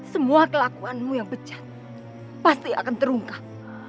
semua kelakuanmu yang pecat pasti akan terungkap